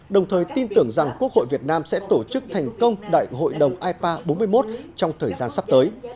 đồng thời tin tưởng rằng quốc hội việt nam sẽ tổ chức thành công đại hội đồng ipa bốn mươi một trong thời gian sắp tới